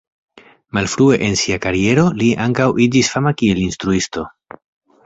Malfrue en sia kariero li ankaŭ iĝis fama kiel instruisto.